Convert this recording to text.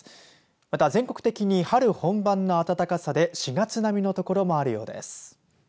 また、全国的に春本番の暖かさで４月並みの所もあるようです。